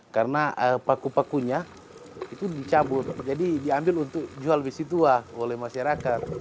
karena paku pakunya itu dicabut jadi diambil untuk jual besi tua oleh masyarakat